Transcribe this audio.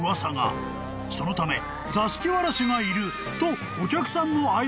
［そのため座敷わらしがいると］